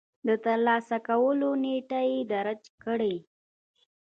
د ترلاسه کولو نېټه يې درج کړئ.